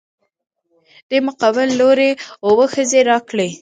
دې مقابل لورى اووه ښځې راکړي.